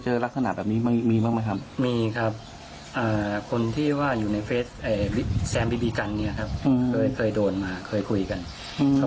เห็นไหมกลุ่นธนกรคนที่ไปซื้อหอยบอกว่า